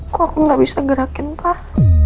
kok aku gak bisa gerakin pak